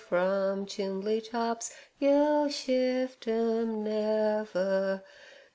From chimbly tops ye'll shift em never.